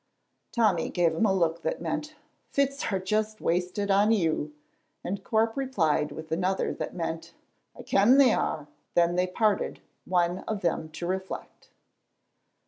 Tommy gave him a look that meant, "Fits are just wasted on you," and Corp replied with another that meant, "I ken they are." Then they parted, one of them to reflect.